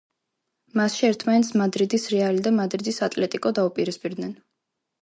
მასში ერთმანეთს მადრიდის „რეალი“ და მადრიდის „ატლეტიკო“ დაუპირისპირდნენ.